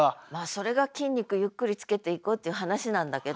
それが筋肉ゆっくりつけていこうっていう話なんだけど。